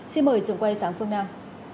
xin mời trường quay sáng phương nam